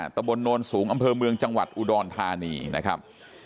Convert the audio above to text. ตะบนโนนสูงอำเภอเมืองจังหวัดอุดรธานีนะครับ